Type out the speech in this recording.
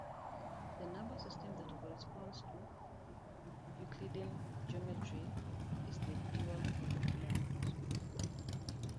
The number system that corresponds to Euclidean geometry is the dual numbers.